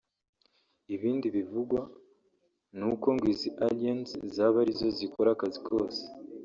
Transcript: Ibindi bivugwa ni uko ngo izi Aliens zaba arizo zikora akazi kose